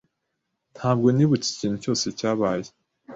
Ntabwo nibutse ikintu cyose cyabaye.